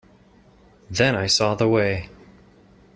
Then I saw the way.